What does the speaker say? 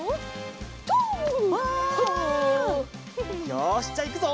よしじゃあいくぞ！